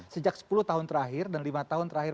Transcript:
sejak sepuluh tahun terakhir dan lima tahun terakhir